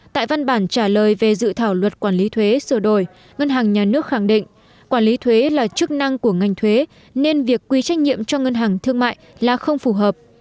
tại văn bản trả lời về dự thảo luật quản lý thuế sửa đổi ngân hàng nhà nước khẳng định quản lý thuế là chức năng của ngành thuế nên việc quy trách nhiệm cho ngân hàng thương mại là không phù hợp